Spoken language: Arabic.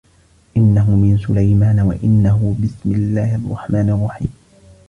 إِنَّهُ مِن سُلَيمانَ وَإِنَّهُ بِسمِ اللَّهِ الرَّحمنِ الرَّحيمِ